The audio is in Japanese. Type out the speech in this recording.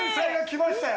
来ました！